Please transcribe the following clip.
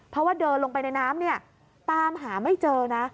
เพราะว่าเดินลงไปในน้ำเนี่ยตามหาไม่เจอนะ